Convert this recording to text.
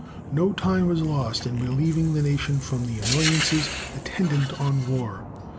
No time was lost in relieving the nation from the annoyances attendant on war.